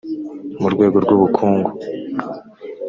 mu rwego rw ubukungu